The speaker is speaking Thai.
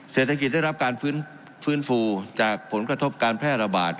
เศรษฐกิจได้รับการฟื้นฟูจากผลกระทบการแพร่ระบาด